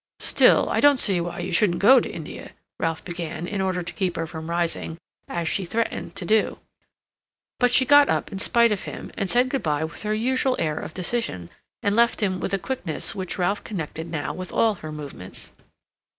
"Still, I don't see why you shouldn't go to India," Ralph began, in order to keep her from rising, as she threatened to do. But she got up in spite of him, and said good bye with her usual air of decision, and left him with a quickness which Ralph connected now with all her movements.